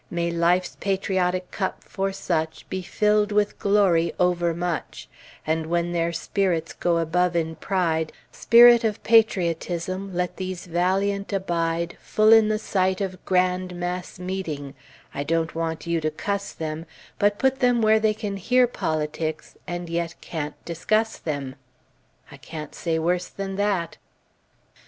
May life's patriotic cup for such Be filled with glory overmuch; And when their spirits go above in pride, Spirit of Patriotism, let these valiant abide Full in the sight of grand mass meeting I don't Want you to cuss them, But put them where they can hear politics, And yet can't discuss them! (I can't say worse than that!)